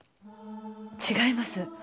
違います。